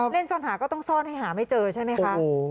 เล่นซ่อนหาก็ต้องซ่อนให้หาไม่เจอใช่ไหมคะ